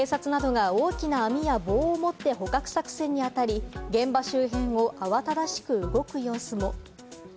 警察などが大きな網や棒を持って、捕獲作戦にあたり現場周辺を慌ただしく動く様子も。